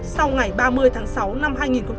sau ngày ba mươi tháng sáu năm hai nghìn một mươi bảy